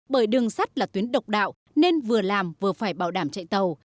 bởi đường sắt là tuyến độc đạo nên vừa làm vừa phải bảo đảm chạy tàu